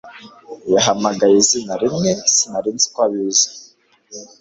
yahamagaye izina rimwe. sinari nzi ko abizi